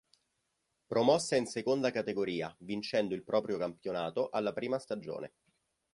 Promossa in Seconda Categoria, vincendo il proprio campionato alla prima stagione.